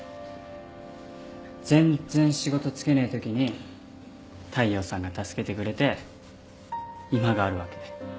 全然仕事就けねえときに大陽さんが助けてくれて今があるわけ。